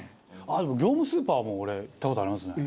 でも業務スーパーも俺行った事ありますね。